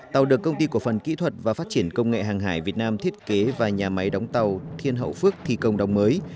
tàu được công ty cổ phần kỹ thuật và phát triển công nghệ hàng hải việt nam thiết kế và nhà máy đóng tàu thiên hậu phước thi công đóng mới